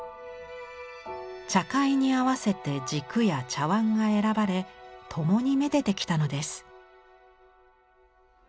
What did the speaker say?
茶会に合わせて軸や茶碗が選ばれともに愛でてきたのです。